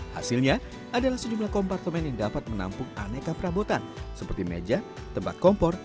hasilnya adalah sejumlah kompartemen yang dapat menampung aneka perabotan seperti meja tempat kompor